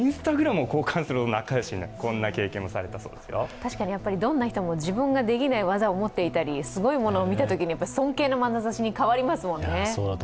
確かにどんな人も、自分ができない技を持っていたりすごいものを見たときに、尊敬のまなざしに変わりますもんね。